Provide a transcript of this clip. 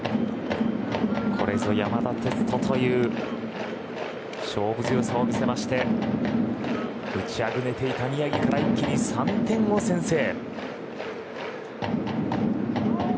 これぞ山田哲人という勝負強さを見せまして打ちあぐねていた宮城から一気に３点を先制。